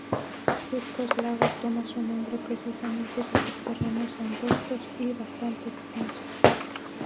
Surcos Largos toma su nombre precisamente de sus terrenos angostos y bastante extensos.